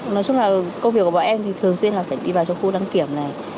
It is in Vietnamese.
nói chung là công việc của bọn em thì thường xuyên là phải đi vào trong khu đăng kiểm này